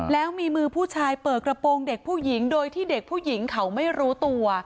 แล้วมีมือผู้ชายเปิดกระโปรงเด็กผู้หญิงโดยที่เด็กผู้หญิงเขาไม่รู้ตัว